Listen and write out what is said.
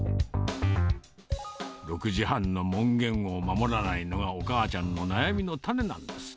６時半の門限を守らないのが、お母ちゃんの悩みの種なんです。